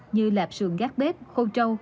như lạp sườn gác bếp khô trâu